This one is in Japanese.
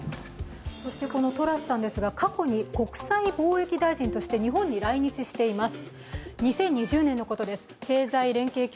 トラスさんですが、過去に国際貿易大臣として日本に来日しています。